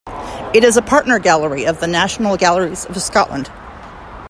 It is a Partner Gallery of the National Galleries of Scotland.